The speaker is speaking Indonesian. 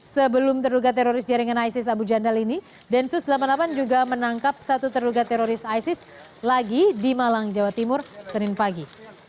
sebelum terduga teroris jaringan isis abu jandal ini densus delapan puluh delapan juga menangkap satu terduga teroris isis lagi di malang jawa timur senin pagi